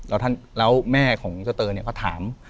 แล้วแม่ของเจ้าเตอร์เนี่ยก็ถาม